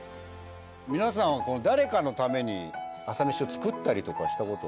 皆さんは誰かのために朝メシを作ったりとかした事はありますか？